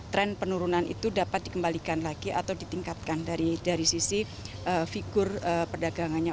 tren penurunan itu dapat dikembalikan lagi atau ditingkatkan dari sisi figur perdagangannya